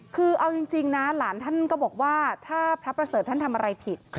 คือเอาจริงนะหลานท่านก็บอกว่าถ้าพระประเสริฐท่านทำอะไรผิด